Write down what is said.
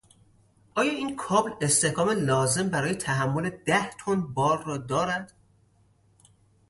آیا این کابل استحکام لازم برای تحمل ده تن بار را دارد؟